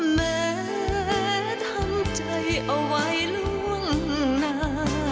แม้ทำใจเอาไว้ล่วงหน้า